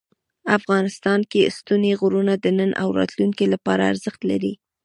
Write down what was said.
افغانستان کې ستوني غرونه د نن او راتلونکي لپاره ارزښت لري.